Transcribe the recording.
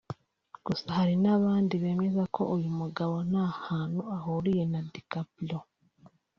gusa hari n’abandi bemeza ko uyu mugabo nta hantu ahuriye na DiCaprio